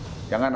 siapapun dia itu